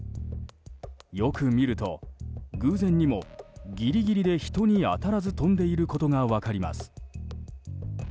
よく見ると偶然にもギリギリで人に当たらず飛んでいることが分かります。